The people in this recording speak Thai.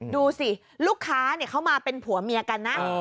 ดูสิลูกค้าเขามาเป็นผัวเมียกันนะ